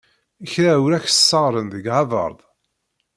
Kra ur ak-t-sseɣren deg Havard?